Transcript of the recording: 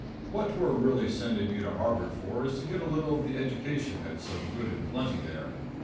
What we're really sending you to Harvard for is to get a little of the education that's so good and plenty there.